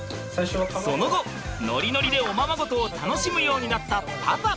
その後ノリノリでおままごとを楽しむようになったパパ！